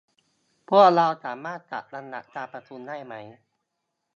พวกเราสามารถจัดลำดับการประชุมได้ไหม